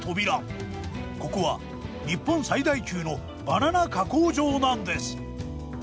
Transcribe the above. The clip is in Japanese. ここは日本最大級のバナナ加工場なんです。